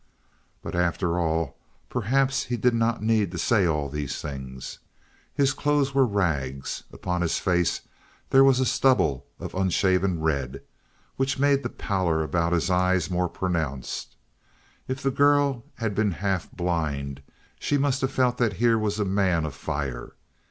But, after all, perhaps he did not need to say all these things. His clothes were rags, upon his face there was a stubble of unshaven red, which made the pallor about his eyes more pronounced. If the girl had been half blind she must have felt that here was a man of fire.